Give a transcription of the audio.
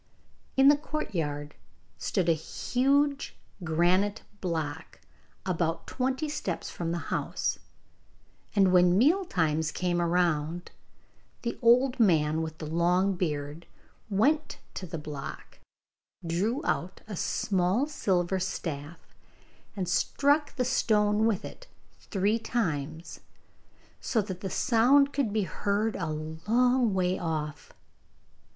In the courtyard stood a huge granite block about twenty steps from the house, and when meal times came round the old man with the long beard went to the block, drew out a small silver staff, and struck the stone with it three times, so that the sound could be heard a long way off.